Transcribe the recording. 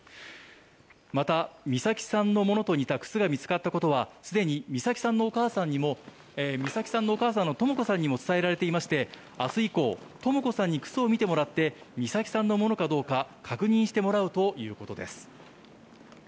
また美咲さんのものと似た靴が見つかったということはお母さんのとも子さんにも伝えられていまして明日以降、とも子さんに靴を見てもらって美咲さんのものかどうか確認してもらうということです。